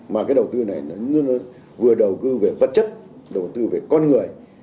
mà cái đầu tư này vừa đầu tư về vật chất đầu tư về con người